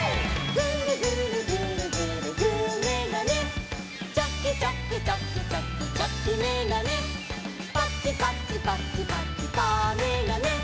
「グルグルグルグルグーめがね」「チョキチョキチョキチョキチョキめがね」「パチパチパチパチパーめがね」